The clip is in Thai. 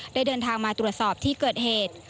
ได้เดินทางมาตรวจสอบที่เกิดเหตุ